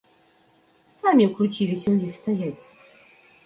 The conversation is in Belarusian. Самі ўкруціліся ў іх стаяць.